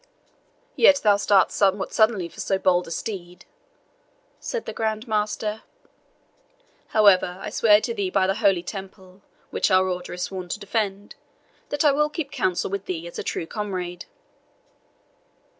"Yet thou start'st somewhat suddenly for so bold a steed," said the Grand Master. "However, I swear to thee by the Holy Temple, which our Order is sworn to defend, that I will keep counsel with thee as a true comrade."